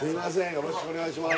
よろしくお願いします